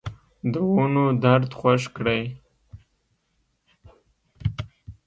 دونو درد خوږ کړی